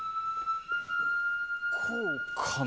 こうかな？